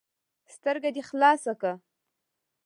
ـ سترګه دې خلاصه که.